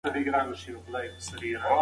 قمري په هوا کې په ډېر مهارت سره الوتنه کوي.